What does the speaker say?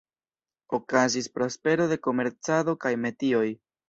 Okazis prospero de komercado kaj metioj.